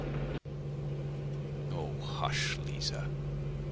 VII "Oh, hush, Liza!